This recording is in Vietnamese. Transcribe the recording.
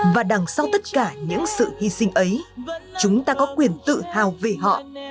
và đằng sau tất cả những sự hi sinh ấy chúng ta có quyền tự hào về họ